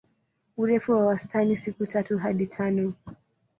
Urefu wa wastani siku tatu hadi tano.